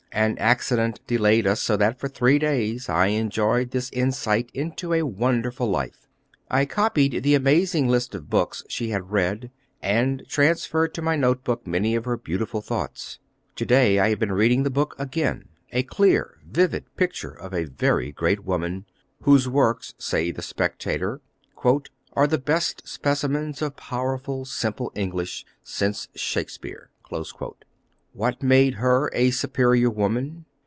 An accident delayed us, so that for three days I enjoyed this insight into a wonderful life. I copied the amazing list of books she had read, and transferred to my note book many of her beautiful thoughts. To day I have been reading the book again; a clear, vivid picture of a very great woman, whose works, says the Spectator, "are the best specimens of powerful, simple English, since Shakespeare." What made her a superior woman?